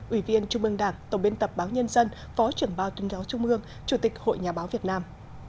ủy viên trung mương đảng tổng biên tập báo nhân dân phó trưởng báo tuyên giáo trung mương chủ tịch hội nhà báo việt nam